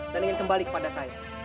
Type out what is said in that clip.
dan ingin kembali kepada saya